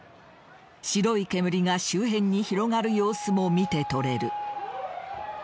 白い煙が周辺に広がる様子も見て取れる。